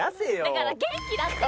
だから元気だって！